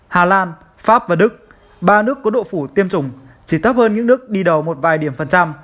hà lan pháp và đức ba nước có độ phủ tiêm chủng chỉ tấp hơn những nước đi đầu một vài điểm phần trăm